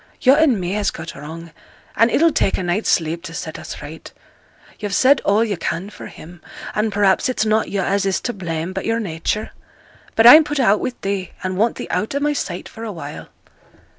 'Yo' and me has got wrong, and it'll take a night's sleep to set us right. Yo've said all yo' can for him; and perhaps it's not yo' as is to blame, but yo'r nature. But I'm put out wi' thee, and want thee out o' my sight for awhile.'